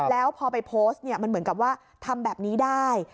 แล้วพอไปโพสต์เนี่ยมันเหมือนกับว่าทำแบบนี้ได้